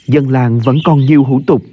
dân làng vẫn còn nhiều hổ tục